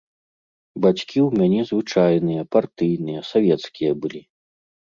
Бацькі ў мяне звычайныя, партыйныя, савецкія былі.